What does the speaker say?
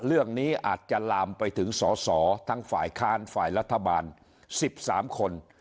เรื่องนี้อาจจะลามไปถึงสอสอทั้งฝ่ายค้านฝ่ายรัฐบาล๑๓คน